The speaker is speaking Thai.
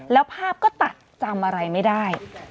แล้วภาพก็ตัดจำอะไรไม่ได้